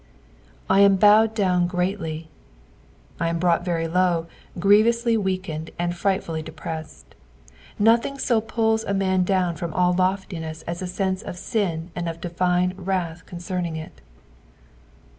"/ am howal down greatly." I am brought very low, grievously weakened and frightfully depressed. Nothing ao pulls a man down from all loftiness aa a sense of sin and of divine wrath con cerning it.